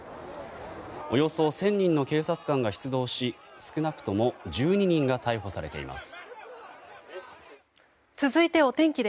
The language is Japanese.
およそ１０００人の警察官が出動し少なくとも１２人が逮捕されています。